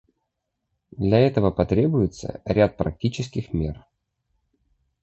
Для этого потребуется ряд практических мер.